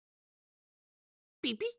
ピピッ？